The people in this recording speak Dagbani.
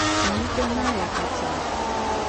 N yiko naai ya ka chε ma.